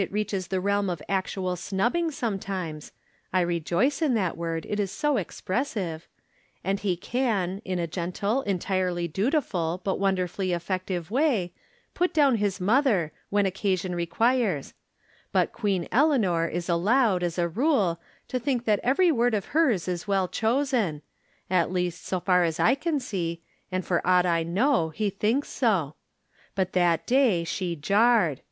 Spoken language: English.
reaches the realm of actual snubbing sometimes (I rejoice in that word, it is so expressiTc), and he can, in a gentle, entirely dutiful, but wonder fully effective way, put down his mother, when occasion requires ; but Queen Eleanor is allowed, as a rule, to think that every word of hers is well chosen ; at least, so far as I can see, and for aught I know, he thinks so. But that day she jarred.